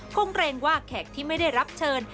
คงเกรงว่าแขกที่ไม่ได้รับเชิญ